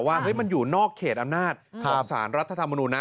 ว่ามันอยู่นอกเขตอำนาจของสารรัฐธรรมนุนนะ